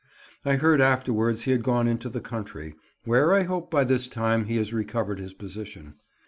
I heard afterwards he had gone into the country, where I hope by this time he has recovered his position.